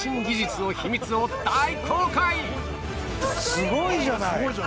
すごいじゃない！